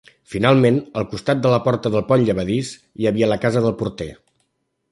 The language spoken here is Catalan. Finalment, al costat de la porta del pont llevadís, hi havia la casa del porter.